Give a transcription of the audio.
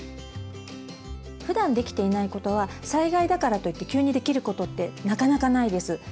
ふだんできていないことは災害だからといって急にできることってなかなかないです。